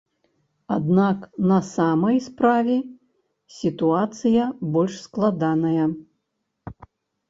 Аднак на самай справе сітуацыя больш складаная.